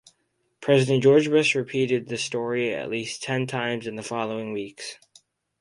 President George Bush repeated the story at least ten times in the following weeks.